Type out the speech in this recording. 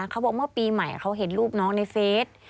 เขาบอกเมื่อปีใหม่เขาเห็นรูปน้องในเฟส